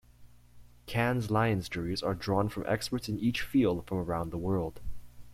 Cannes Lions juries are drawn from experts in each field from around the world.